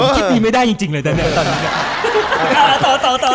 คิดดีไม่ได้จริงเลยแต่ตอนนี้